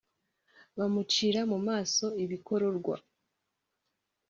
bamucira mu maso ibikororwa